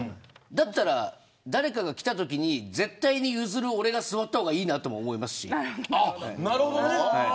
だったら誰か来たときに絶対に譲る俺が座った方がいいなと思います。